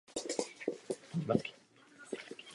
Jeho syn Tomáš je fotbalový útočník či záložník.